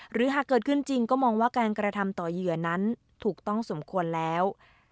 หากเกิดขึ้นจริงก็มองว่าการกระทำต่อเหยื่อนั้นถูกต้องสมควรแล้ว